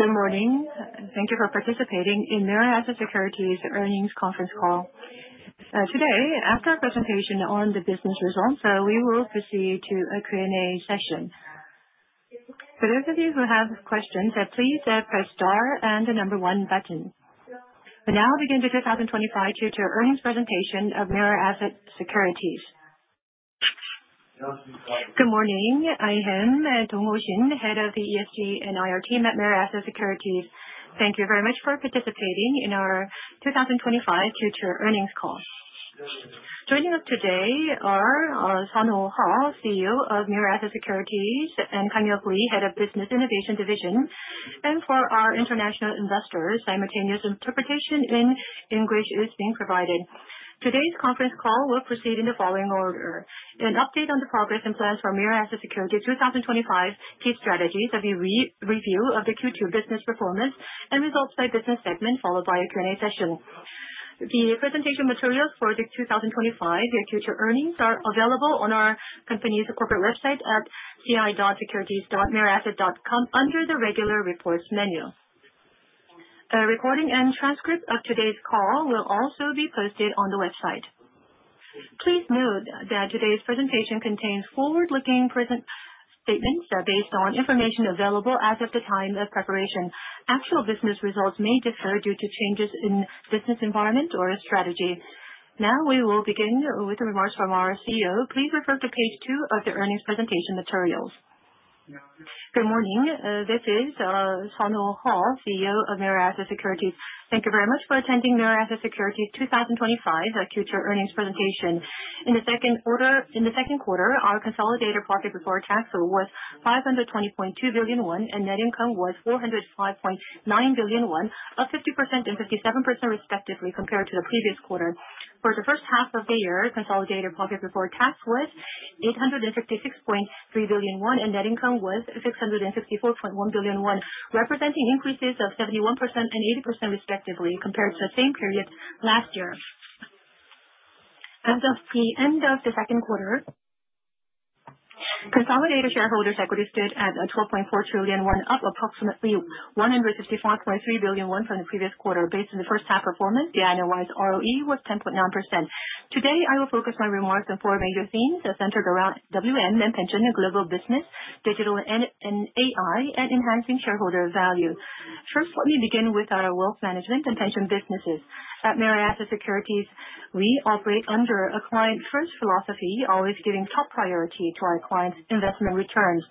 Good morning. Thank you for participating in Mirae Asset Securities earnings conference call. Today, after our presentation on the business results, we will proceed to a Q&A session. For those of you who have questions, please press star and the number one button. We begin the 2025 future earnings presentation of Mirae Asset Securities. Good morning. I am Dongho Shin, Head of the ESG and IR team at Mirae Asset Securities. Thank you very much for participating in our 2025 future earnings call. Joining us today are Sunho Huh, CEO of Mirae Asset Securities, and Kanghyuk Lee, Head of Business Innovation Division. For our international investors, simultaneous interpretation in English is being provided. Today's conference call will proceed in the following order. An update on the progress and plans for Mirae Asset Securities 2025 key strategies, a review of the Q2 business performance and results by business segment, followed by a Q&A session. The presentation materials for the 2025 year future earnings are available on our company's corporate website at ci.securities.miraeasset.com under the Regular Reports menu. A recording and transcript of today's call will also be posted on the website. Please note that today's presentation contains forward-looking statements that are based on information available as of the time of preparation. Actual business results may differ due to changes in business environment or strategy. We will begin with remarks from our CEO. Please refer to page two of the earnings presentation materials. Good morning. This is Sunho Huh, CEO of Mirae Asset Securities. Thank you very much for attending Mirae Asset Securities' 2025 future earnings presentation. In the second quarter, our consolidated profit before tax was 520.2 billion won, and net income was 405.9 billion won, up 50% and 57%, respectively, compared to the previous quarter. For the first half of the year, consolidated profit before tax was 856.3 billion won, and net income was 654.1 billion won, representing increases of 71% and 80%, respectively, compared to the same period last year. As of the end of the second quarter, consolidated shareholders' equity stood at 12.4 trillion won, up approximately 154.3 billion won from the previous quarter. Based on the first half performance, the annualized ROE was 10.9%. Today, I will focus my remarks on four major themes that center around WM and pension global business, digital and AI, and enhancing shareholder value. Let me begin with our wealth management and pension businesses. At Mirae Asset Securities, we operate under a client-first philosophy, always giving top priority to our clients' investment returns.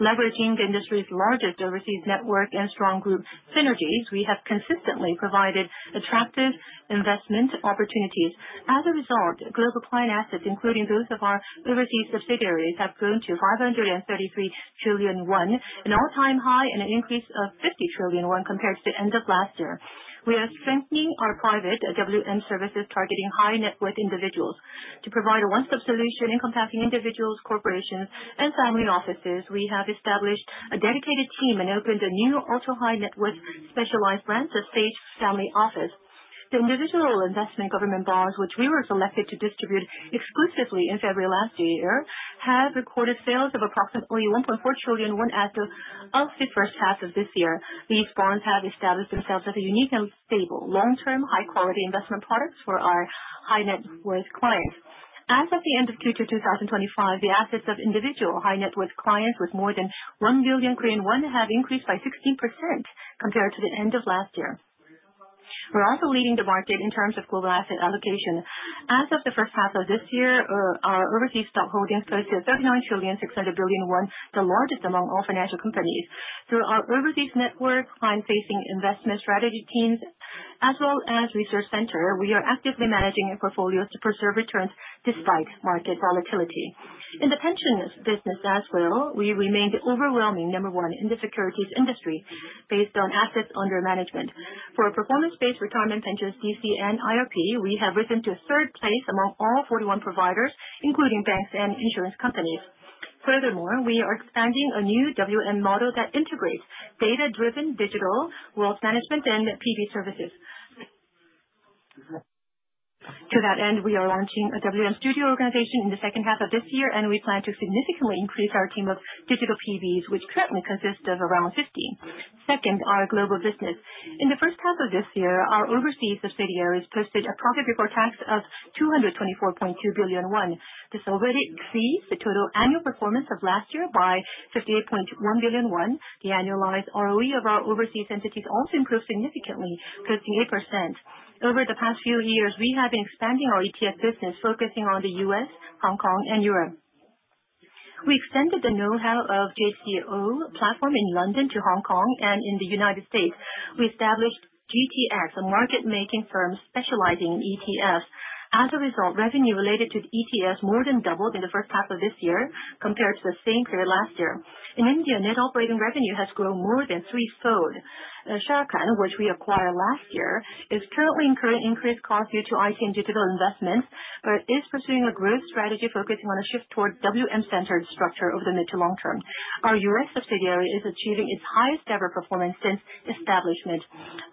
Leveraging the industry's largest overseas network and strong group synergies, we have consistently provided attractive investment opportunities. As a result, global client assets, including those of our overseas subsidiaries, have grown to 533 trillion won, an all-time high and an increase of 50 trillion won compared to end of last year. We are strengthening our private WM services targeting high-net-worth individuals. To provide a one-stop solution encompassing individuals, corporations, and family offices, we have established a dedicated team and opened a new ultra-high-net-worth specialized branch, The Sage Family Office. The individual investment government bonds, which we were selected to distribute exclusively in February last year, have recorded sales of approximately 1.4 trillion won as of the first half of this year. These bonds have established themselves as a unique and stable long-term, high-quality investment product for our high-net-worth clients. As of the end of Q2 2025, the assets of individual high-net-worth clients with more than 1 billion Korean won have increased by 16% compared to the end of last year. We are also leading the market in terms of global asset allocation. As of the first half of this year, our overseas stock holdings total 39,600 billion won, the largest among all financial companies. Through our overseas network, client-facing investment strategy teams, as well as research center, we are actively managing portfolios to preserve returns despite market volatility. In the pensions business as well, we remained overwhelming number 1 in the securities industry based on assets under management. For a performance-based retirement pension DC and IRP, we have risen to third place among all 41 providers, including banks and insurance companies. We are expanding a new WM model that integrates data-driven digital wealth management and PB services. To that end, we are launching a WM studio organization in the second half of this year, and we plan to significantly increase our team of digital PBs, which currently consists of around 50. Our global business. In the first half of this year, our overseas subsidiaries posted a profit before tax of 224.2 billion won. This already exceeds the total annual performance of last year by 58.1 billion won. The annualized ROE of our overseas entities also improved significantly, 58%. Over the past few years, we have been expanding our ETF business, focusing on the U.S., Hong Kong, and Europe. We extended the know-how of JCO platform in London to Hong Kong, and in the United States, we established GTX, a market-making firm specializing in ETFs. Revenue related to the ETFs more than doubled in the first half of this year compared to the same period last year. In India, net operating revenue has grown more than threefold. Sharekhan, which we acquired last year, is currently incurring increased costs due to IT and digital investments, but is pursuing a growth strategy focusing on a shift towards WM-centered structure over the mid to long term. Our U.S. subsidiary is achieving its highest-ever performance since establishment.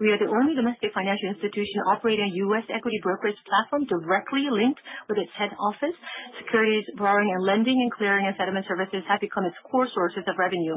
We are the only domestic financial institution operating a U.S. equity brokerage platform directly linked with its head office. Securities borrowing and lending and clearing and settlement services have become its core sources of revenue.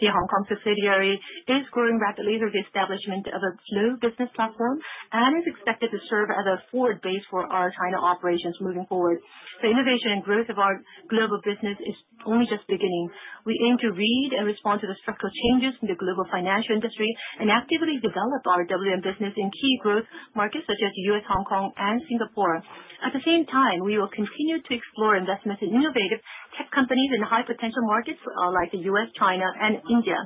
The Hong Kong subsidiary is growing rapidly through the establishment of a flow business platform and is expected to serve as a forward base for our China operations moving forward. The innovation and growth of our global business is only just beginning. We aim to read and respond to the structural changes in the global financial industry and actively develop our WM business in key growth markets such as U.S., Hong Kong, and Singapore. At the same time, we will continue to explore investments in innovative tech companies in high-potential markets like the U.S., China, and India.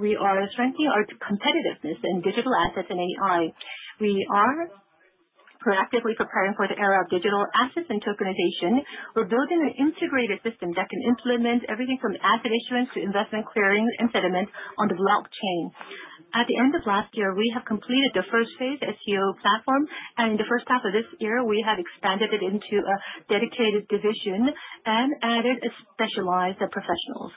We are strengthening our competitiveness in digital assets and AI. We are proactively preparing for the era of digital assets and tokenization. We are building an integrated system that can implement everything from asset issuance to investment clearing and settlement on the blockchain. At the end of last year, we have completed the first phase STO platform, and in the first half of this year, we have expanded it into a dedicated division and added specialized professionals.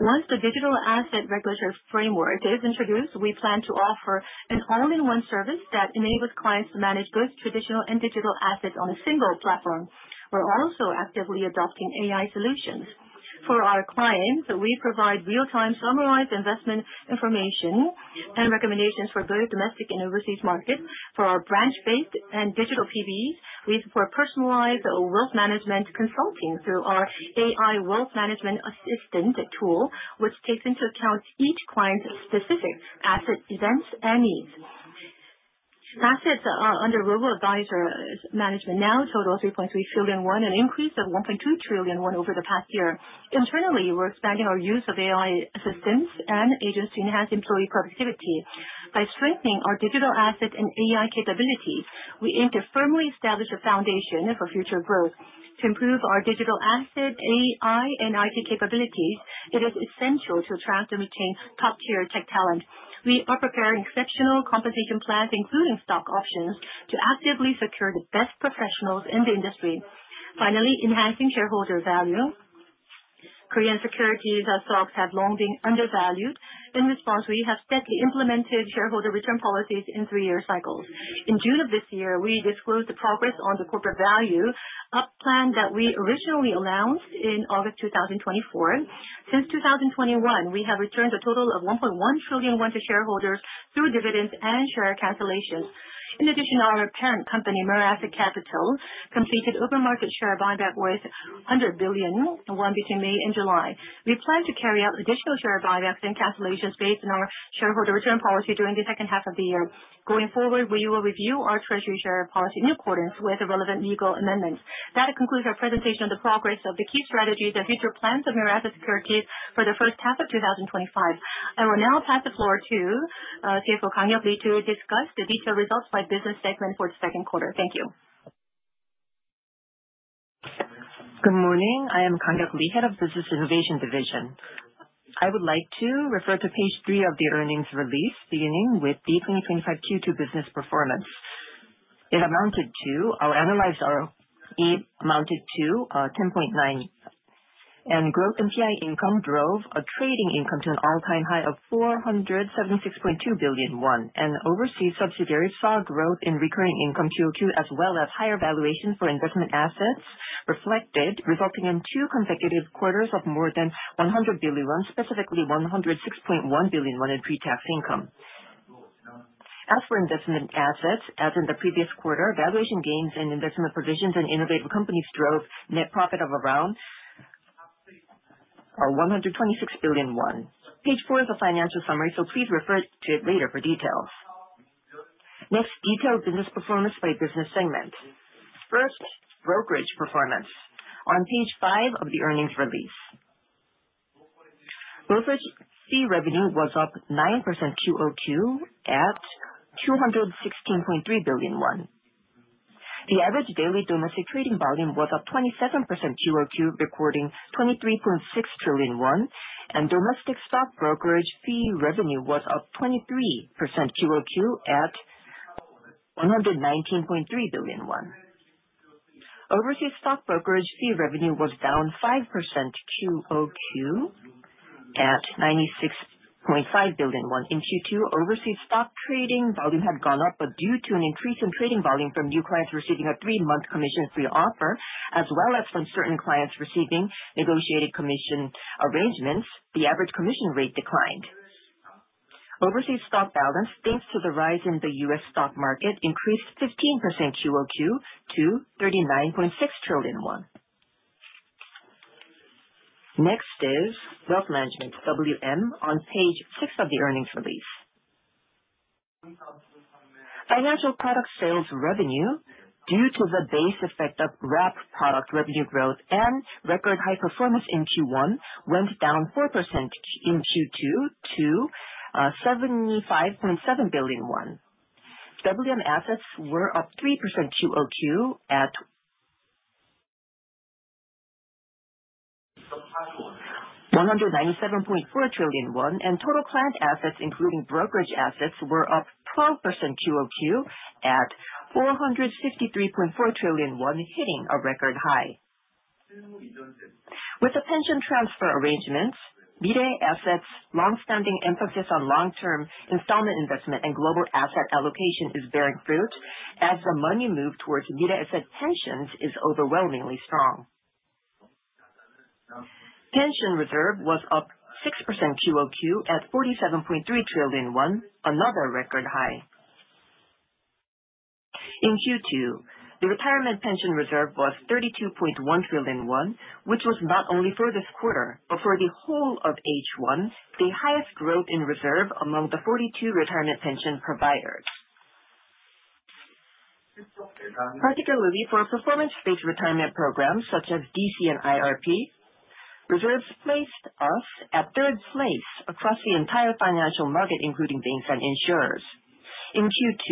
Once the Digital Asset Basic Act regulatory framework is introduced, we plan to offer an all-in-one service that enables clients to manage both traditional and digital assets on a single platform. We are also actively adopting AI solutions. For our clients, we provide real-time summarized investment information and recommendations for both domestic and overseas markets. For our branch-based and digital PBs, we support personalized wealth management consulting through our AI wealth management assistant tool, which takes into account each client's specific asset events and needs. Assets under global advisor management now total 3.3 trillion won, an increase of 1.2 trillion won over the past year. Internally, we are expanding our use of AI assistants and agents to enhance employee productivity. By strengthening our digital asset and AI capabilities, we aim to firmly establish a foundation for future growth. To improve our digital asset, AI, and IT capabilities, it is essential to attract and retain top-tier tech talent. We are preparing exceptional compensation plans, including stock options, to actively secure the best professionals in the industry. Finally, enhancing shareholder value. Korean securities, our stocks have long been undervalued. In response, we have steadily implemented shareholder return policies in three-year cycles. In June of this year, we disclosed the progress on the corporate value up plan that we originally announced in August 2024. Since 2021, we have returned a total of 1.1 trillion to shareholders through dividends and share cancellations. In addition, our parent company, Mirae Asset Capital, completed open market share buyback worth 100 billion between May and July. We plan to carry out additional share buybacks and cancellations based on our shareholder return policy during the second half of the year. Going forward, we will review our treasury share policy in accordance with the relevant legal amendments. That concludes our presentation of the progress of the key strategies and future plans of Mirae Asset Securities for the first half of 2025. I will now pass the floor to CFO Kang Lee to discuss the detailed results by business segment for the second quarter. Thank you. Good morning. I am Kanghyuk Lee, Head of Business Innovation Division. I would like to refer to page three of the earnings release, beginning with the 2025 Q2 business performance. It amounted to 10.9, and growth in TI income drove a trading income to an all-time high of 476.2 billion won, and overseas subsidiaries saw growth in recurring income QOQ, as well as higher valuations for investment assets reflected, resulting in two consecutive quarters of more than 100 billion won, specifically 106.1 billion won in pre-tax income. As for investment assets, as in the previous quarter, valuation gains and investment provisions in innovative companies drove net profit of around 126 billion won. Page four is a financial summary, so please refer to it later for details. Next, detailed business performance by business segment. First, brokerage performance on page five of the earnings release. Brokerage fee revenue was up 9% QoQ at 216.3 billion won. The average daily domestic trading volume was up 27% QoQ, recording 23.6 trillion won, and domestic stock brokerage fee revenue was up 23% QoQ at 119.3 billion won. Overseas stock brokerage fee revenue was down 5% QoQ at 96.5 billion won in Q2. Overseas stock trading volume had gone up, but due to an increase in trading volume from new clients receiving a three-month commission-free offer, as well as from certain clients receiving negotiated commission arrangements, the average commission rate declined. Overseas stock balance, thanks to the rise in the U.S. stock market, increased 15% QoQ to KRW 39.6 trillion. Next is Wealth Management, WM, on page six of the earnings release. Financial product sales revenue, due to the base effect of wrap product revenue growth and record high performance in Q1, went down 4% in Q2 to 75.7 billion won. WM assets were up 3% QoQ at 197.4 trillion won, and total client assets, including brokerage assets, were up 12% QoQ at 453.4 trillion won, hitting a record high. With the pension transfer arrangements, Mirae Asset's longstanding emphasis on long-term installment investment and global asset allocation is bearing fruit, as the money move towards Mirae Asset pensions is overwhelmingly strong. Pension reserve was up 6% QoQ at 47.3 trillion won, another record high. In Q2, the retirement pension reserve was 32.1 trillion won, which was not only for this quarter, but for the whole of H1, the highest growth in reserve among the 42 retirement pension providers. Particularly for performance-based retirement programs such as DC and IRP, reserves placed us at third place across the entire financial market, including banks and insurers. In Q2,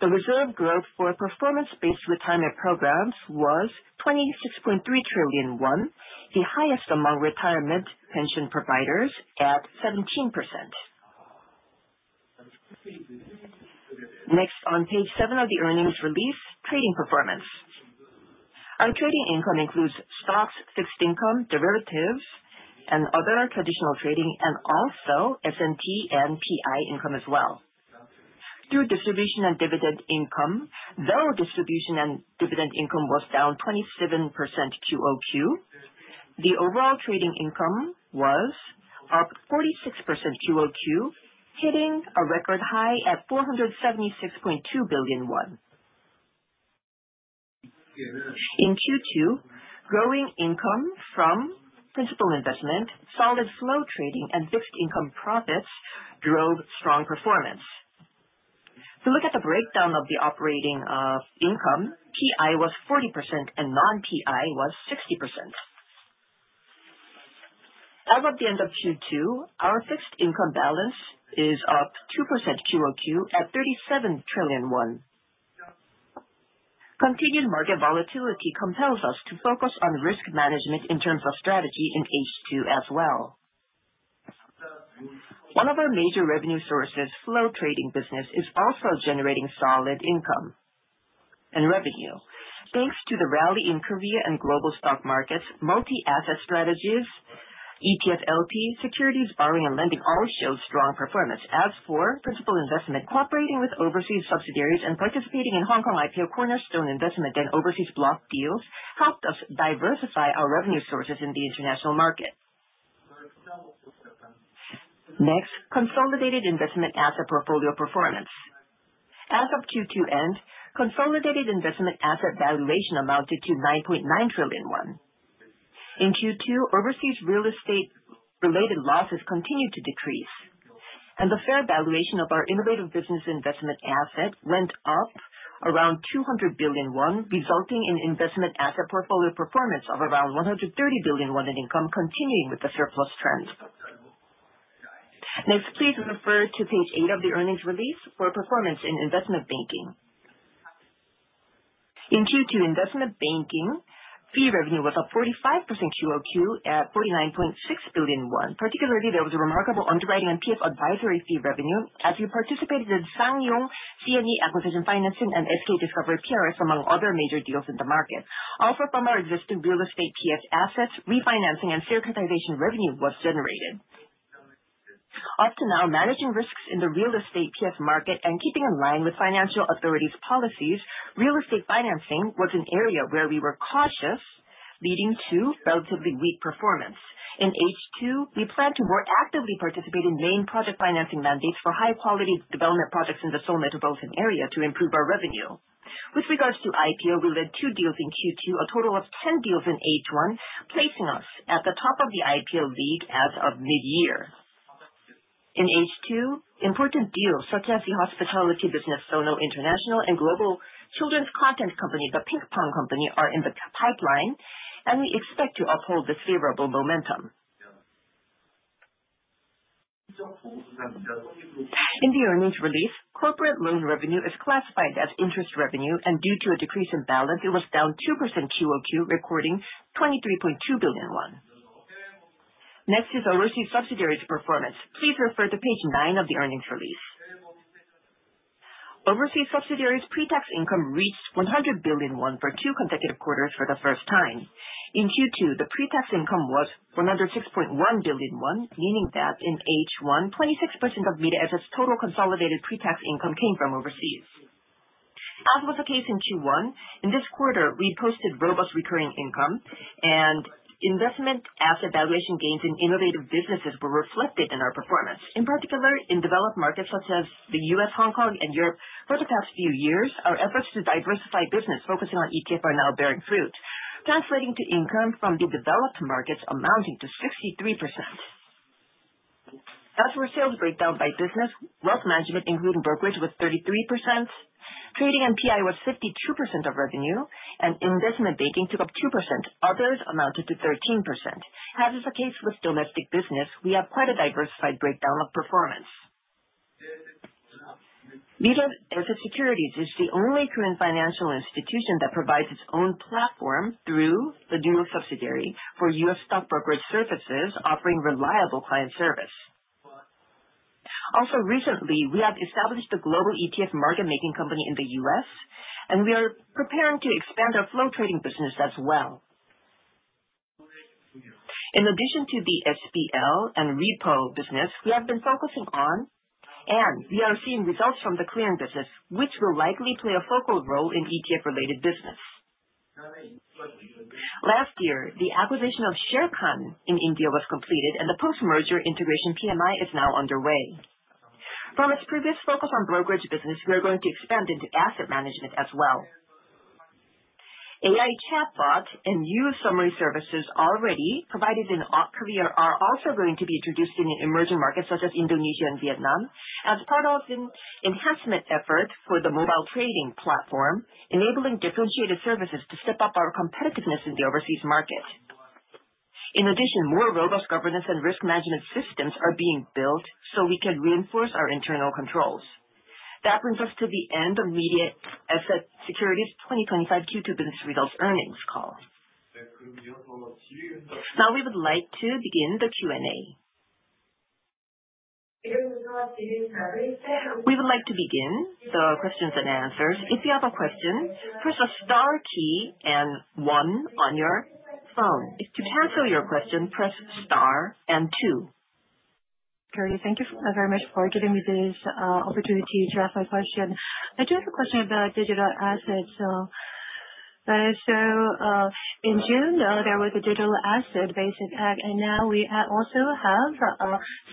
the reserve growth for performance-based retirement programs was 26.3 trillion won, the highest among retirement pension providers at 17%. Next, on page seven of the earnings release, trading performance. Our trading income includes stocks, fixed income, derivatives, and other traditional trading, and also SMT and PI income as well. Through distribution and dividend income, though distribution and dividend income was down 27% QoQ, the overall trading income was up 46% QoQ, hitting a record high at 476.2 billion won. In Q2, growing income from principal investment, solid flow trading, and fixed income profits drove strong performance. If you look at the breakdown of the operating of income, PI was 40% and non-PI was 60%. As of the end of Q2, our fixed income balance is up 2% QoQ at 37 trillion won. Continued market volatility compels us to focus on risk management in terms of strategy in H2 as well. One of our major revenue sources, flow trading business, is also generating solid income and revenue. Thanks to the rally in Korea and global stock markets, multi-asset strategies, ETF LP, Securities Borrowing and Lending all showed strong performance. As for principal investment, cooperating with overseas subsidiaries and participating in Hong Kong IPO Cornerstone investment and overseas block deals helped us diversify our revenue sources in the international market. Next, consolidated investment asset portfolio performance. As of Q2 end, consolidated investment asset valuation amounted to 9.9 trillion won. In Q2, overseas real estate-related losses continued to decrease, and the fair valuation of our innovative business investment asset went up around 200 billion won, resulting in investment asset portfolio performance of around 130 billion won in income continuing with the surplus trend. Next, please refer to page eight of the earnings release for performance in investment banking. In Q2, investment banking fee revenue was up 45% QOQ at 49.6 billion won. Particularly, there was a remarkable underwriting on PF advisory fee revenue as we participated in SsangYong C&E acquisition financing and SK discovery PRS, among other major deals in the market. Also, from our existing real estate PF assets, refinancing and securitization revenue was generated. Up to now, managing risks in the real estate PF market and keeping in line with financial authorities policies, real estate financing was an area where we were cautious, leading to relatively weak performance. In H2, we plan to more actively participate in main project financing mandates for high-quality development projects in the Seoul metropolitan area to improve our revenue. With regards to IPO, we led two deals in Q2, a total of 10 deals in H1, placing us at the top of the IPO league as of mid-year. In H2, important deals such as the hospitality business, Sono International, and global children's content company, The Pinkfong Company, are in the pipeline, and we expect to uphold this favorable momentum. In the earnings release, corporate loan revenue is classified as interest revenue, and due to a decrease in balance, it was down 2% QOQ, recording 23.2 billion won. Next is overseas subsidiaries performance. Please refer to page nine of the earnings release. Overseas subsidiaries pre-tax income reached 100 billion won for two consecutive quarters for the first time. In Q2, the pre-tax income was 106.1 billion won, meaning that in H1, 26% of Mirae Asset's total consolidated pre-tax income came from overseas. As was the case in Q1, in this quarter, we posted robust recurring income and investment asset valuation gains in innovative businesses were reflected in our performance. In particular, in developed markets such as the U.S., Hong Kong, and Europe, for the past few years, our efforts to diversify business focusing on EQ are now bearing fruit, translating to income from the developed markets amounting to 63%. As for sales breakdown by business, wealth management, including brokerage, was 33%. Trading and PI was 52% of revenue, and investment banking took up 2%. Others amounted to 13%. As is the case with domestic business, we have quite a diversified breakdown of performance. Mirae Asset Securities is the only Korean financial institution that provides its own platform through the dual subsidiary for U.S. stock brokerage services offering reliable client service. Also recently, we have established a global ETF market-making company in the U.S., and we are preparing to expand our flow trading business as well. In addition to the SBL and repo business, we have been focusing on, and we are seeing results from the clearing business, which will likely play a focal role in ETF-related business. Last year, the acquisition of Sharekhan in India was completed, and the post-merger integration PMI is now underway. From its previous focus on brokerage business, we are going to expand into asset management as well. AI chatbot and new summary services already provided in Korea are also going to be introduced in emerging markets such as Indonesia and Vietnam as part of an enhancement effort for the mobile trading platform, enabling differentiated services to step up our competitiveness in the overseas market. In addition, more robust governance and risk management systems are being built so we can reinforce our internal controls. That brings us to the end of Mirae Asset Securities 2025 Q2 business results earnings call. Now we would like to begin the Q&A. We would like to begin the questions and answers. If you have a question, press the star key and one on your phone. To cancel your question, press star and two. Carrie, thank you very much for giving me this opportunity to ask my question. I do have a question about digital assets. In June, there was a Digital Asset Basic Act, and now we also have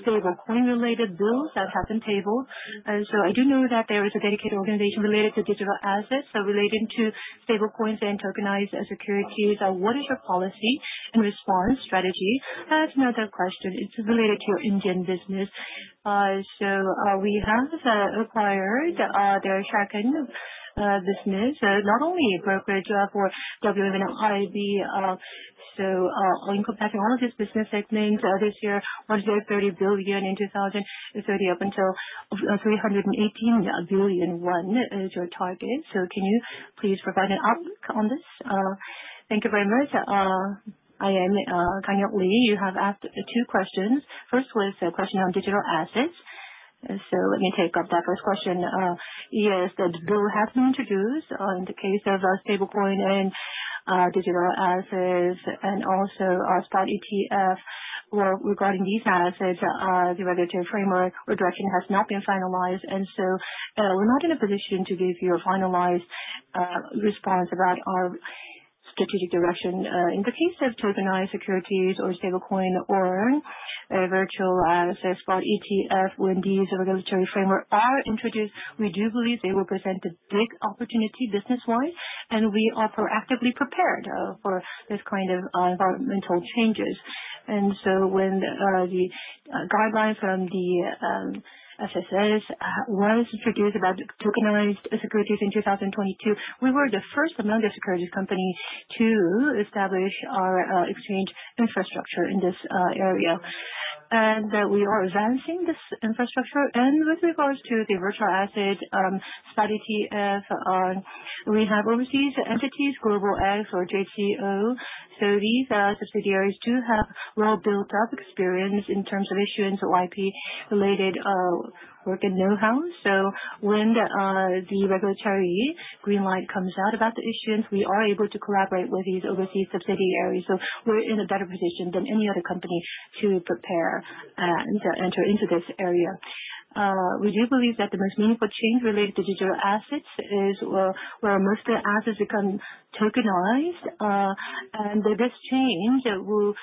stablecoin-related bills that have been tabled. I do know that there is a dedicated organization related to digital assets, so relating to stablecoins and tokenized securities. What is your policy and response strategy? I have another question. It is related to Indian business. We have acquired their Sharekhan business, not only brokerage but also in IB. In comparison, one of these business segments this year was 30 billion in 2030, up until 318 billion won, what is your target. Can you please provide an outlook on this? Thank you very much. I am Kanghyuk Lee. You have asked two questions. First was a question on digital assets. Let me take up that first question. Yes, the bill has been introduced in the case of stablecoin and digital assets. Also our spot ETF regarding these assets, the regulatory framework or direction has not been finalized, and we are not in a position to give you a finalized response about our strategic direction. In the case of tokenized securities or stablecoin or virtual assets for ETF, when these regulatory frameworks are introduced, we do believe they will present a big opportunity business-wise, and we are proactively prepared for this kind of environmental changes. When the guidelines from the FSS was introduced about tokenized securities in 2022, we were the first among the securities companies to establish our exchange infrastructure in this area. We are advancing this infrastructure. With regards to the virtual asset, spot ETF, we have overseas entities, Global X or JTO. These subsidiaries do have well-built-up experience in terms of issuance or IP-related work and know-how. When the regulatory green light comes out about the issuance, we are able to collaborate with these overseas subsidiaries. We are in a better position than any other company to prepare and enter into this area. We do believe that the most meaningful change related to digital assets is where most assets become tokenized, and this change will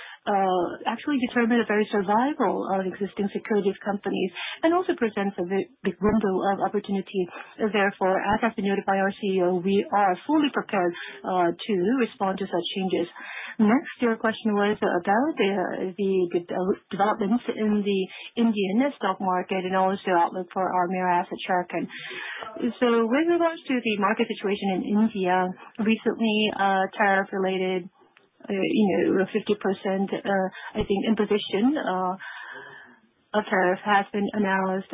actually determine the very survival of existing securities companies and also presents a big window of opportunity. Therefore, as has been noted by our CEO, we are fully prepared to respond to such changes. Next, your question was about the developments in the Indian stock market and also outlook for our Mirae Asset Sharekhan. With regards to the market situation in India, recently, tariff-related, 50%, I think, imposition of tariff has been announced.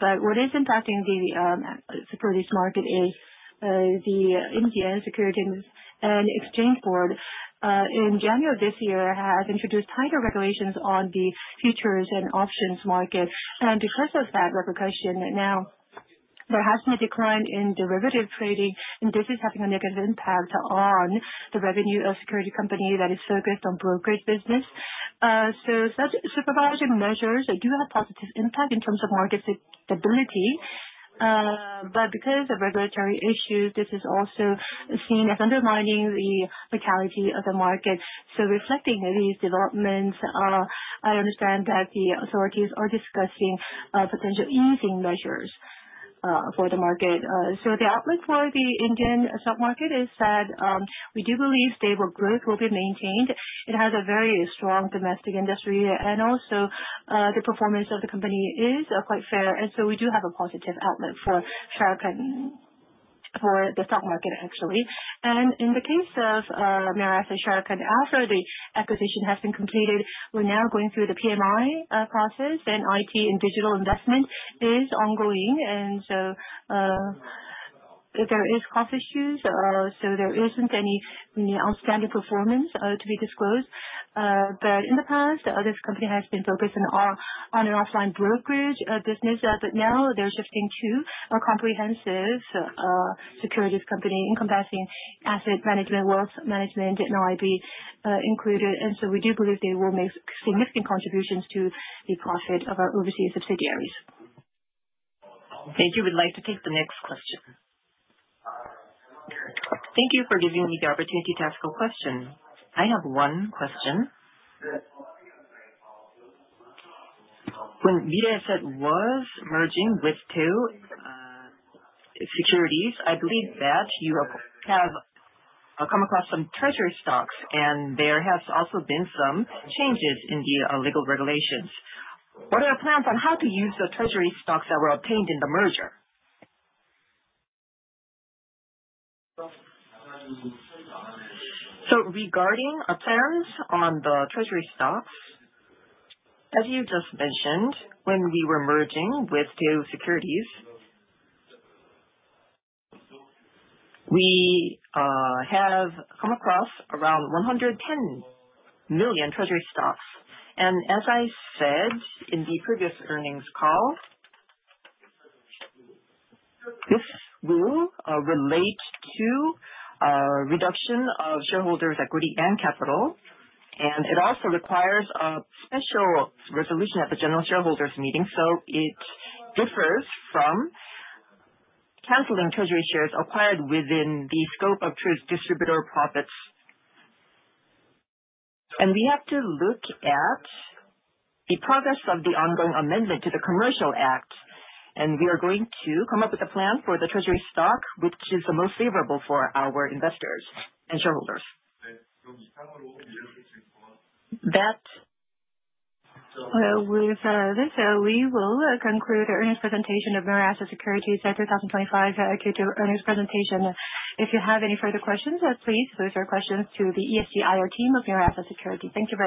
What is impacting the securities market is the Securities and Exchange Board of India in January of this year has introduced tighter regulations on the futures and options market. Because of that repercussion, now there has been a decline in derivative trading, and this is having a negative impact on the revenue of securities company that is focused on brokerage business. Such supervisory measures do have positive impact in terms of market stability. Because of regulatory issues, this is also seen as undermining the vitality of the market. Reflecting these developments, I understand that the authorities are discussing potential easing measures for the market. The outlook for the Indian stock market is that we do believe stable growth will be maintained. It has a very strong domestic industry, and also, the performance of the company is quite fair. We do have a positive outlook for Sharekhan, for the stock market, actually. In the case of Mirae Asset Sharekhan, after the acquisition has been completed, we're now going through the PMI process, and IT and digital investment is ongoing. If there is half issues, there isn't any outstanding performance to be disclosed. In the past, this company has been focused on an offline brokerage business. Now they're shifting to a comprehensive securities company encompassing asset management, wealth management, and IB included. We do believe they will make significant contributions to the profit of our overseas subsidiaries. Thank you. We'd like to take the next question. Thank you for giving me the opportunity to ask a question. I have one question. When Mirae Asset was merging with two securities, I believe that you have come across some treasury stocks, and there has also been some changes in the legal regulations. What are the plans on how to use the treasury stocks that were obtained in the merger? Regarding our plans on the treasury stocks, as you just mentioned, when we were merging with two securities, we have come across around 110 million treasury stocks. As I said in the previous earnings call, this rule relates to a reduction of shareholders' equity and capital, and it also requires a special resolution at the general shareholders meeting. It differs from canceling treasury shares acquired within the scope of true distributor profits. We have to look at the progress of the ongoing amendment to the Commercial Act, and we are going to come up with a plan for the treasury stock, which is the most favorable for our investors and shareholders. With this, we will conclude the earnings presentation of Mirae Asset Securities at 2025 Q2 earnings presentation. If you have any further questions, please pose your questions to the ESG IR team of Mirae Asset Securities. Thank you very much.